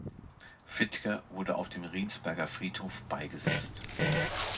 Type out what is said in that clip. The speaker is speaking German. Fitger wurde auf dem Riensberger Friedhof beigesetzt.